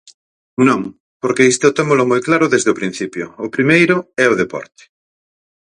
Non, porque isto témolo moi claro desde o principio: o primeiro é o deporte.